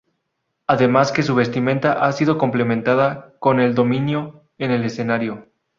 Además que su vestimenta ha sido complementada con el dominio en el escenario.